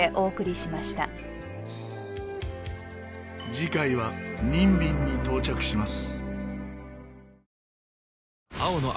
次回はニンビンに到着します。